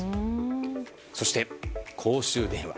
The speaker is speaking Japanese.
そして、公衆電話。